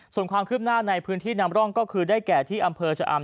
ส่วนความคืบหน้าในพื้นที่นำร่องก็คือได้แก่ที่อำเภอชะอำ